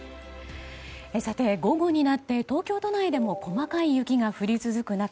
午後になって東京都内でも細かい雪が降り続く